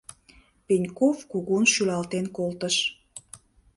Пеньков кугун шӱлалтен колтыш.